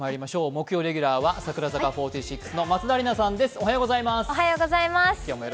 木曜レギュラーは櫻坂４６の松田里奈さんです。